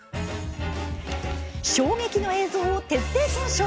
衝撃の映像を徹底検証！